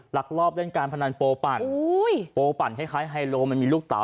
ลักลอบเล่นการพนันโปปั่นโปปั่นคล้ายไฮโลมันมีลูกเต๋